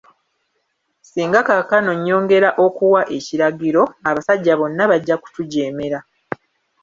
Singa kakaano nnyongera okuwa ekiragiro, abasajja bonna bajja kutujeemera.